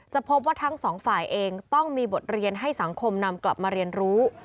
พบว่าทั้งสองฝ่ายเองต้องมีบทเรียนให้สังคมนำกลับมาเรียนรู้